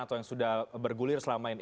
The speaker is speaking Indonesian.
atau yang sudah bergulir selama ini